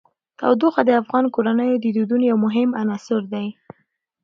تودوخه د افغان کورنیو د دودونو یو مهم عنصر دی.